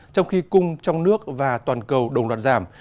trong khi cung trong nước và toàn cầu đồng loạt giảm